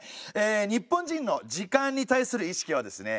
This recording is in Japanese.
え日本人の時間に対する意識はですね